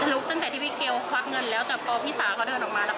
ตั้งแต่ที่พี่เกลควักเงินแล้วแต่พอพี่สาเขาเดินออกมาแล้ว